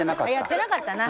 やってなかったな。